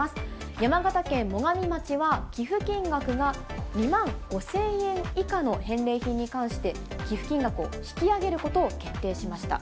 山形県最上町は、寄付金額が２万５０００円以下の返礼品に関して、寄付金額を引き上げることを決定しました。